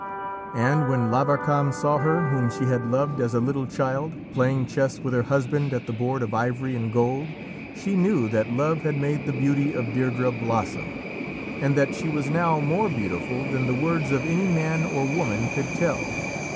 And when Lavarcam saw her whom she had loved as a little child, playing chess with her husband at the board of ivory and gold, she knew that love had made the beauty of Deirdrê blossom, and that she was now more beautiful than the words of any man or woman could tell.